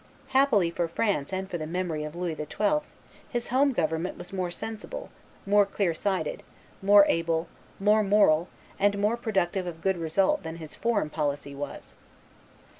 Happily for France and for the memory of Louis XII., his home government was more sensible, more clear sighted, more able, more moral, and more productive of good results than his foreign policy was.